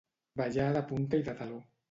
Ballar de punta i de taló.